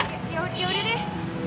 eh yaudah deh